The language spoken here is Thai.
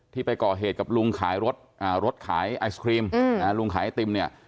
ไปก่อเหตุกับลุงขายรถรถขายไอศครีมลุงขายไอติมเนี่ย